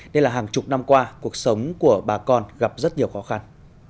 và hàng chục năm qua cuộc sống của bà con gặp rất nhiều khó khăn